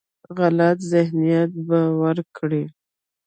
غلط ذهنیت به ورکړي.